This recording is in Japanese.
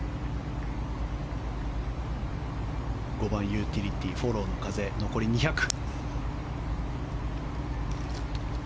５番ユーティリティーフォローの風残り２００。